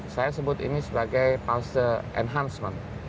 saya sebut ini sebagai fase enhancement